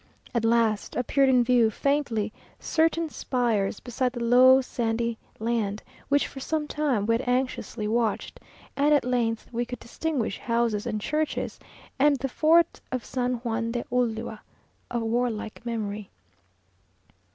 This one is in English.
At last appeared in view, faintly, certain spires beside the low sandy land, which for some time we had anxiously watched, and at length we could distinguish houses and churches, and the fort of San Juan de Ulua, of warlike memory.